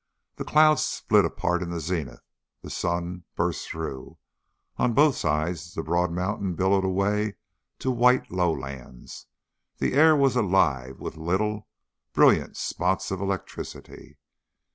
The clouds split apart in the zenith; the sun burst through; on both sides the broad mountain billowed away to white lowlands; the air was alive with little, brilliant spots of electricity.